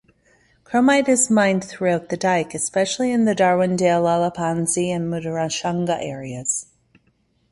Chromite is mined throughout the Dyke, especially in the Darwendale, Lalapanzi and Mutorashanga areas.